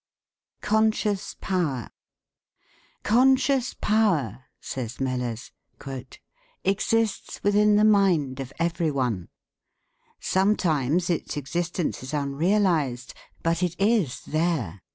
CONSCIOUS POWER. "Conscious power," says Mellès, "exists within the mind of every one. Sometimes its existence is unrealized, but it is there.